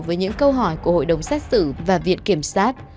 với những câu hỏi của hội đồng xét xử và viện kiểm sát